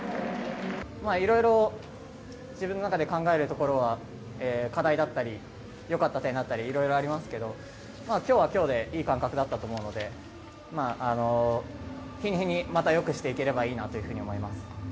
いろいろ自分の中で考えるところは課題だったり、よかった点だったり、いろいろありますけど、きょうはきょうでいい感覚だったと思うので、まあ、日に日にまたよくしていければいいなというふうに思います。